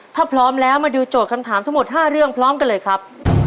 ถ้าพร้อมแล้วมาดูโจทย์คำถามทั้งหมด๕เรื่องพร้อมกันเลยครับ